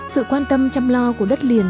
sự quan tâm chăm lo của đất liền